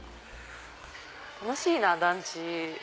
楽しいな団地。